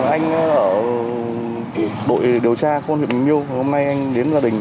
anh ở đội điều tra khuôn huyện bình liêu hôm nay anh đến gia đình